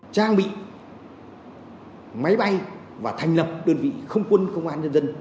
trang bị máy bay và thành lập đơn vị không quân công an nhân dân